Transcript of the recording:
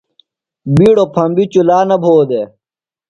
بیڈوۡ پھمبیۡ چُلا نہ بھو دےۡ۔